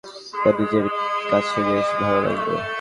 এতে জীবাণু কমবে, সেই সঙ্গে আপনার নিজের কাছেও বেশ ভালো লাগবে।